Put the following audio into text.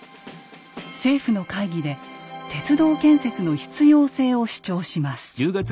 政府の会議で鉄道建設の必要性を主張します。